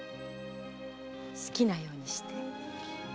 好きなようにして。